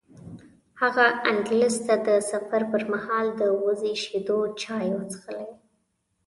هغه اندلس ته د سفر پر مهال د وزې شیدو چای څښلي و.